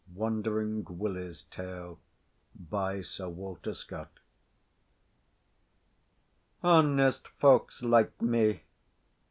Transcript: WANDERING WILLIE'S TALE, By Sir Walter Scott "Honest folks like me!